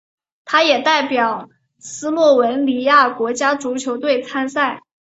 他也代表斯洛文尼亚国家足球队参赛。